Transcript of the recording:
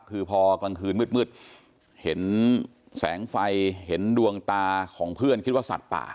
คือพอกลางคืนมืดเห็นแสงไฟเห็นดวงตาของเพื่อนคิดว่าสัตว์ป่า